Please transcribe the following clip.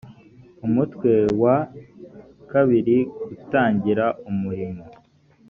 umutwe wa ii gutangira umurimo